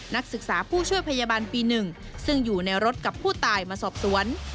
นักศึกษาผู้ช่วยพยาบาลปี๑ซึ่งอยู่ในรถกับผู้ตายมาสอบสวน